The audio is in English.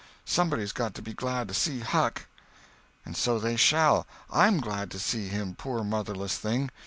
Somebody's got to be glad to see Huck." "And so they shall. I'm glad to see him, poor motherless thing!"